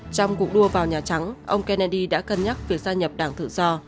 trong cuộc đua vào nhà trắng ông kennedy đã cân nhắc việc gia nhập đảng tự do